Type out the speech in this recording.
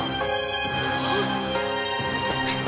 あっ！